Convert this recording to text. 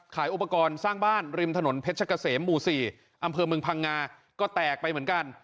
อุปกรณ์สร้างบ้านริมถนนเพชรเกษมหมู่๔อำเภอเมืองพังงาก็แตกไปเหมือนกัน